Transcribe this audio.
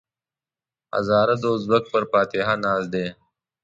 هزاره د ازبک پر فاتحه ناست دی.